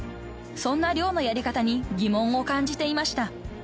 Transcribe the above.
［そんな漁のやり方に疑問を感じていました］